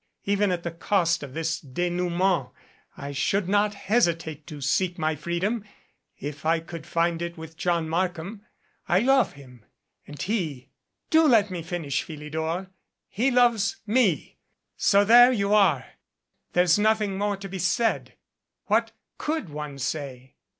Even at the cost of this denouement I should not hesitate to seek my freedom if I could find it with John Markham. I love him. And he do let me finish, Phili dor, he loves me. So there you are. There's nothing more to be said. What could one say?"